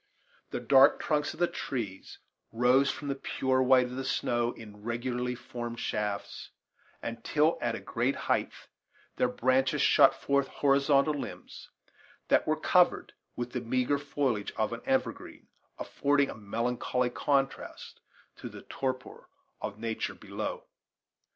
The dark trunks of the trees rose from the pure white of the snow in regularly formed shafts, until, at a great height, their branches shot forth horizontal limbs, that were covered with the meagre foliage of an evergreen, affording a melancholy contrast to the torpor of nature below.